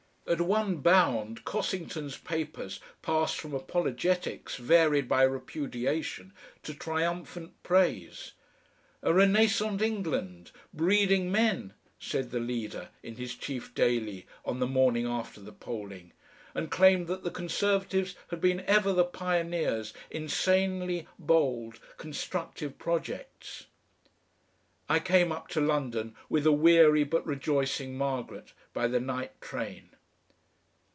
At one bound Cossington's papers passed from apologetics varied by repudiation to triumphant praise. "A renascent England, breeding men," said the leader in his chief daily on the morning after the polling, and claimed that the Conservatives had been ever the pioneers in sanely bold constructive projects. I came up to London with a weary but rejoicing Margaret by the night train.